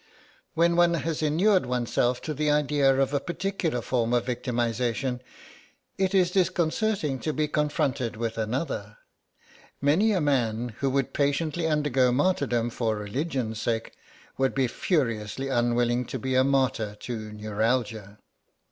When one has inured oneself to the idea of a particular form of victimisation it is disconcerting to be confronted with another. Many a man who would patiently undergo martyrdom for religion's sake would be furiously unwilling to be a martyr to neuralgia.